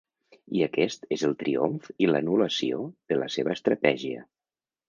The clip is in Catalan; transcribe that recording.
I aquest és el triomf i l’anul·lació de la seva estratègia.